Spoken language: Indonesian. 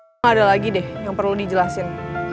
cuma ada lagi deh yang perlu dijelasin